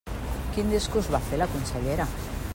Quin discurs va fer la consellera?